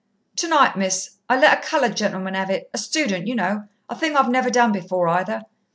"Tonight, Miss. I let a coloured gentleman 'ave it a student, you know; a thing I've never done before, either.